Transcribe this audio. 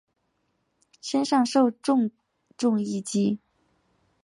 身上受到重重一击